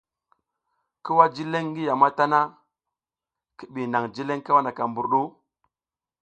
Ki wah jileƞ ngi yam a ta sina, i ɓi naƞ jileƞ kawaka mbur ɗu.